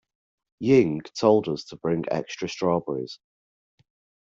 Ying told us to bring extra strawberries.